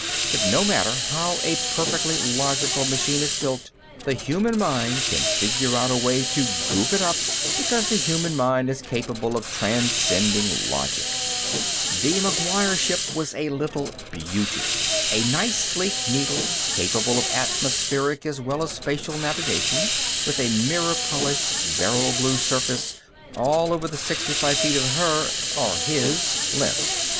But no matter how a perfectly logical machine is built, the human mind can figure out a way to goof it up because the human mind is capable of transcending logic. The McGuire ship was a little beauty. A nice, sleek, needle, capable of atmospheric as well as spatial navigation, with a mirror polished, beryl blue surface all over the sixty five feet of her or his? length.